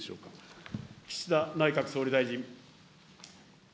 岸田内閣総理大臣。